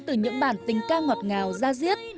từ những bản tình ca ngọt ngào ra diết